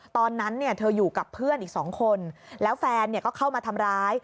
ตอนนั้นเนี่ยเธออยู่กับเพื่อนอีก๒คนแล้วแฟนเนี่ยก็เข้ามาทำร้าย